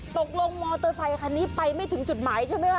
ตกลงมอเตอร์ไซคันนี้ไปไม่ถึงจุดหมายใช่ไหมคะ